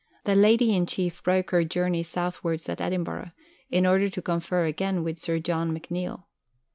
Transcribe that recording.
The Lady in Chief broke her journey southwards at Edinburgh, in order to confer again with Sir John McNeill.